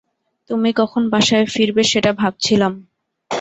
তুমি কখন বাসায় ফিরবে সেটা ভাবছিলাম।